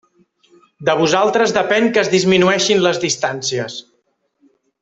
De vosaltres depèn que es disminueixin les distàncies!